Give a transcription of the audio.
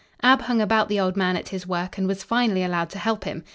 Ab hung about the old man at his work and was finally allowed to help him.